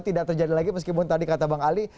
tidak terjadi lagi meskipun tadi kata bang ali